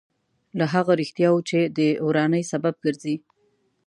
له هغه رښتیاوو چې د ورانۍ سبب ګرځي.